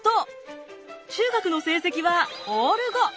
中学の成績はオール５。